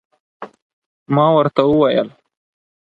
ما ورته وویل